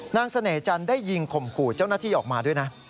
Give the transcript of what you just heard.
นางเสน่ห์จันได้ยิงขมกูดเจ้าหน้าที่ออกมาด้วยนะ